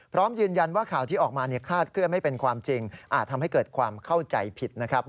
พร้อมยืนยันว่าข่าวที่ออกมาคลาดเคลื่อนไม่เป็นความจริงอาจทำให้เกิดความเข้าใจผิดนะครับ